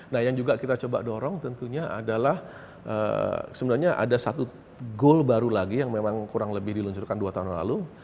nah yang juga kita coba dorong tentunya adalah sebenarnya ada satu goal baru lagi yang memang kurang lebih diluncurkan dua tahun lalu